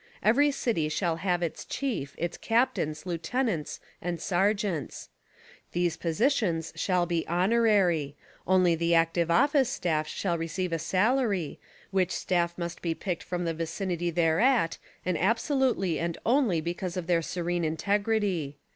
Every city shall have its chief, its cap tains, lieutenants and sergeants. These positions shall be honorary; only the active office staff shall receive a salary, which staff must be picked from the vicinity thereat and absolutely and only because of their serene integrity.